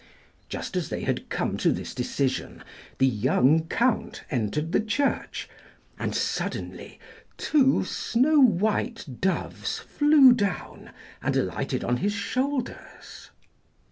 Just as they had come to this decision, the young Count entered the church, and suddenly two snow white doves flew down and alighted on his shoulders.